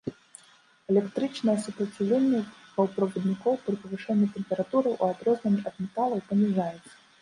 Электрычнае супраціўленне паўправаднікоў пры павышэнні тэмпературы, у адрозненні ад металаў, паніжаецца.